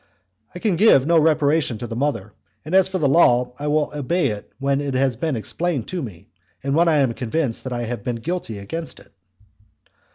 "I can give no reparation to the mother; and as for the law I will obey it when it has been explained to me, and when I am convinced that I have been guilty against it."